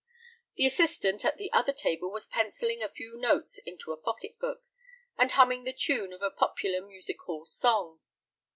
The assistant at the other table was pencilling a few notes into a pocket book, and humming the tune of a popular, music hall song.